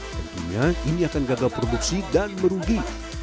tentunya ini akan gagal produksi dan merugi